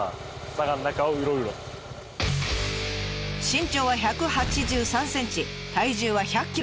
身長は１８３ｃｍ体重は１００ｋｇ。